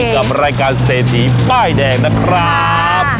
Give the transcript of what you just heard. กับรายการเศรษฐีป้ายแดงนะครับ